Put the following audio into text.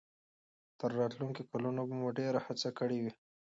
تر راتلونکو کلونو به موږ ډېره هڅه کړې وي.